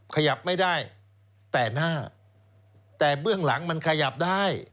ขยับไม่ได้แต่หน้าแต่เบื้องหลังมันขยับได้